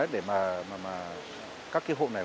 để mà các cái hộ này